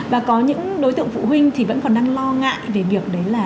và có những đối tượng phụ huynh thì vẫn còn đang lo ngại về việc đấy là